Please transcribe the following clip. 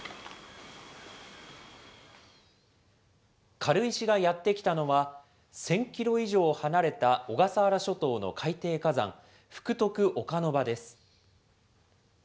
軽石がやって来たのは、１０００キロ以上離れた小笠原諸島の海底火山、福徳岡ノ場です。